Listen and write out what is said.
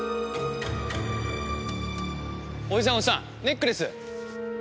おじさんおじさんネックレス。